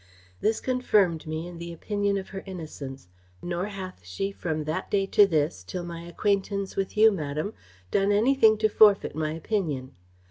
"This confirmed me in the opinion of her innocence; nor hath she from that day to this, till my acquaintance with you, madam, done anything to forfeit my opinion.